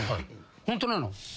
ホントなの？